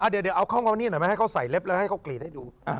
เดี๋ยวเอาเข้านี่หน่อยมาให้เขาใส่เล็บแล้วให้เขากรีดให้ดู